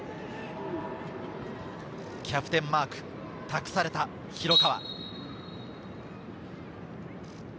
キャプテンマークを託された広川。